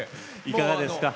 いかがですか？